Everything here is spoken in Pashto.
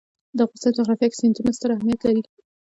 د افغانستان جغرافیه کې سیندونه ستر اهمیت لري.